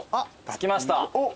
着きました。